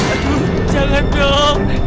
aduh jangan duk